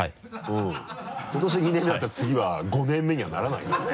うん今年２年目だったら次は５年目にはならないからね。